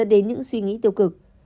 dẫn đến những suy nghĩ tiêu cực